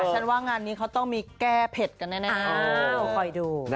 ฉันว่างานนี้เขาต้องมีแก้เผ็ดกันแน่คอยดู